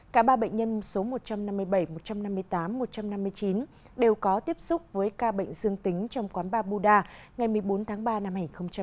cả ba bệnh nhân số một trăm năm mươi bảy một trăm năm mươi tám một trăm năm mươi chín đều có tiếp xúc với ca bệnh dương tính trong quán ba buda ngày một mươi bốn tháng ba năm hai nghìn hai mươi